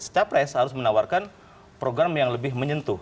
capres harus menawarkan program yang lebih menyentuh